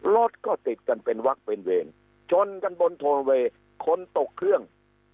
รถก็ติดกันเป็นวักเป็นเวรชนกันบนโทเวย์คนตกเครื่อง